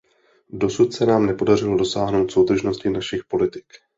Dosud se nám nepodařilo dosáhnout soudržnosti našich politik.